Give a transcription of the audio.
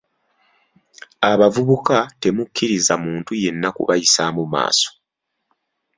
Abavubuka temukkiriza muntu yenna kubayisaamu maaso.